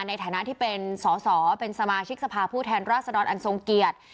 ในฐานะที่เป็นสอสอเป็นสมาชิกสภาพผู้แทนราชดรอันทรงเกียรติ